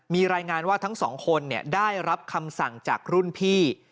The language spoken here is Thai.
มีรายงานว่าทั้งสองคนได้รับคำสั่งจากรุ่นพี่